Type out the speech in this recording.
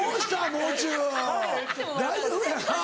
もう中大丈夫やな？